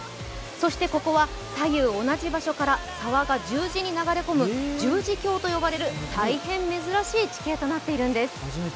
そしてここは左右同じ場所から沢が十字に流れる十字峡と呼ばれる大変珍しい地形となっているんです。